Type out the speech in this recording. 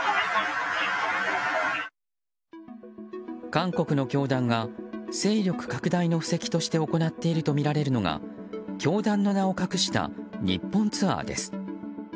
韓国の教団が勢力拡大の布石として行っているとみられるのが教団の名を隠した日本ツアーです。